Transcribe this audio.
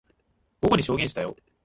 午後に証言したよ。